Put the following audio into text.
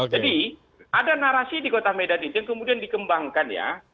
jadi ada narasi di kota medan ini yang kemudian dikembangkan ya